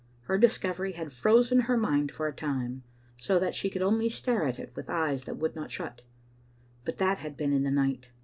Her discovery had frozen her mind for a time, so that she could only stare at it with eyes that would not shut; but that had been in the night.